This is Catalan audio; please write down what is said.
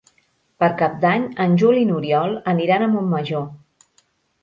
Per Cap d'Any en Juli i n'Oriol aniran a Montmajor.